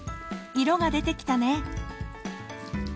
色が出てきたね。